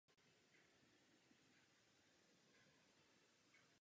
Obhájkyní titulu byla dánská světová dvojka Caroline Wozniacká.